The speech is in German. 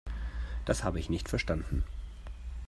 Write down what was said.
Das habe ich nicht verstanden.